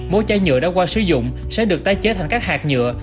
mỗi chai nhựa đã qua sử dụng sẽ được tái chế thành các hạt nhựa